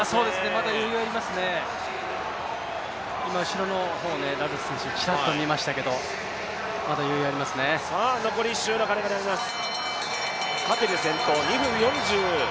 まだ余裕がありますね、今、後ろの方をラロス選手、ちらっと見ましたけど、残り１周の鐘が鳴ります。